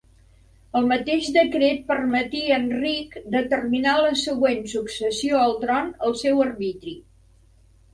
El mateix decret permetia a Enric determinar la següent successió al tron al seu arbitri.